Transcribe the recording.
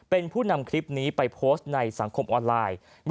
เป็นผู้นำคลิปนี้ไปโพสต์ในสังคมออนไลน์